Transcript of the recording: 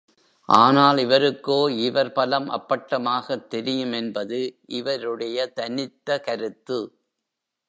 ஆனால் இவருக்கோ, இவர் பலம் அப்பட்டமாகத் தெரியும் என்பது இவருடைய தனித்த கருத்து.